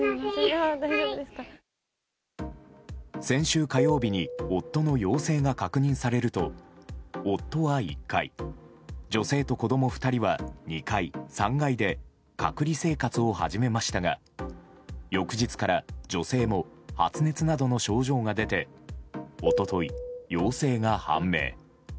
先週火曜日に夫の陽性が確認されると夫は１階、女性と子供２人は２階、３階で隔離生活を始めましたが翌日から女性も発熱などの症状が出て一昨日、陽性が判明。